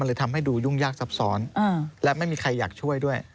เลยทำให้ดูยุ่งยากซับซ้อนและไม่มีใครอยากช่วยด้วย